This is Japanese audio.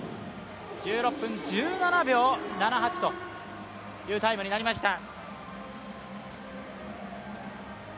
１６分１７秒７８というタイムになりました。